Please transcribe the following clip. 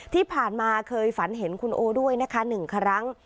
ที่ผ่านมาเคยฝันเห็นคุณโอด้วยนะคะ๑ครั้ง